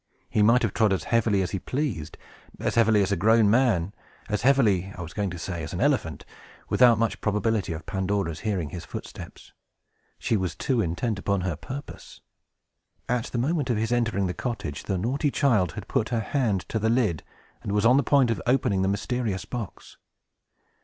He might have trod as heavily as he pleased, as heavily as a grown man, as heavily, I was going to say, as an elephant, without much probability of Pandora's hearing his footsteps. She was too intent upon her purpose. At the moment of his entering the cottage, the naughty child had put her hand to the lid, and was on the point of opening the mysterious box.